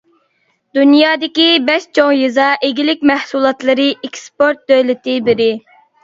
دۇنيادىكى بەش چوڭ يېزا ئىگىلىك مەھسۇلاتلىرى ئېكسپورت دۆلىتى بىرى.